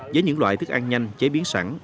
với những loại thức ăn nhanh chế biến sẵn